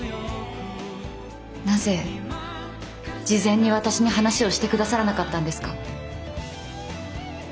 なぜ事前に私に話をしてくださらなかったんですか？